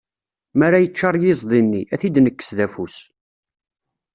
Mi ara yeččar yiẓdi-nni, ad t-id-nekkes d afus.